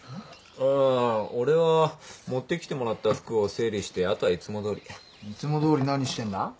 あ俺は持ってきてもらった服を整理してあとはいつもどおり。いつもどおり何してんだ？